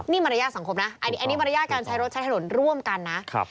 นี่มารยาทสังคมนะอันนี้มารยาทการใช้รถใช้ถนนร่วมกันนะ